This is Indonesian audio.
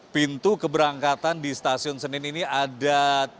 pintu keberangkatan di stasiun senen ini ada empat